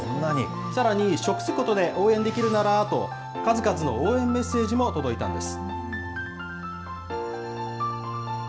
さらに食すことで応援できるならと、数々の応援メッセージも届いたんです。